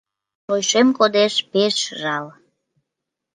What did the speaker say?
Шочшем кодеш, пеш жал...